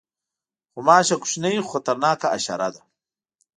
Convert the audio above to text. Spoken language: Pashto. غوماشه کوچنۍ خو خطرناکه حشره ده.